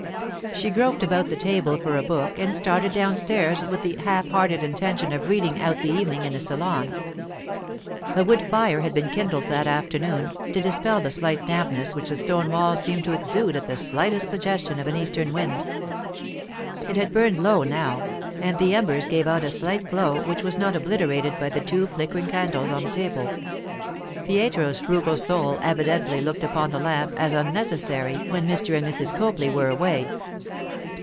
She groped about the table for a book and started downstairs with the half hearted intention of reading out the evening in the salon. A wood fire had been kindled that afternoon, to dispel the slight dampness which the stone walls seemed to exude at the slightest suggestion of an eastern wind. It had burned low now, and the embers gave out a slight glow which was not obliterated by the two flickering candles on the table—Pietro's frugal soul evidently looked upon the lamp as unnecessary when Mr. and Mrs. Copley were away.